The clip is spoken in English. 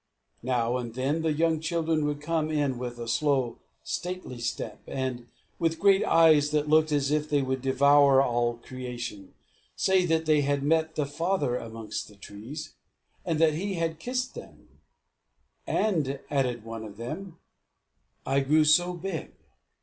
Now and then the young children would come in with a slow, stately step, and, with great eyes that looked as if they would devour all the creation, say that they had met the father amongst the trees, and that he had kissed them; "And," added one of them once, "I grew so big!"